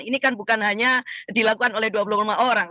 ini kan bukan hanya dilakukan oleh dua puluh lima orang